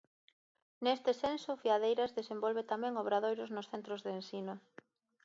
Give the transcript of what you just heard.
Neste senso, Fiadeiras desenvolve tamén obradoiros nos centros de ensino.